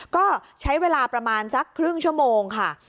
ก็ใช้เวลาประมาณสักครึ่งชั่วโมงค่ะ